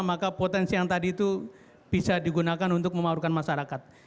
maka potensi yang tadi itu bisa digunakan untuk memaruhkan masyarakat